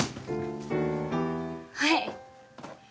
はい！